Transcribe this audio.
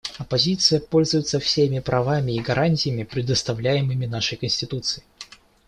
Оппозиция пользуется всеми правами и гарантиями, предоставляемыми нашей Конституцией.